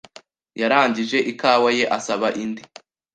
Yarangije ikawa ye asaba indi.